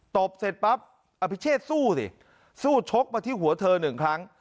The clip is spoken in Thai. บเสร็จปั๊บอภิเชษสู้สิสู้ชกมาที่หัวเธอหนึ่งครั้ง